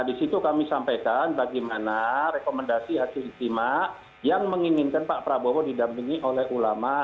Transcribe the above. di situ kami sampaikan bagaimana rekomendasi hasil istimewa yang menginginkan pak prabowo didampingi oleh ulama